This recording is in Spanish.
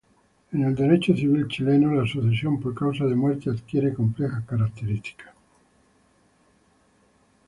En el derecho civil chileno, la sucesión por causa de muerte adquiere complejas características.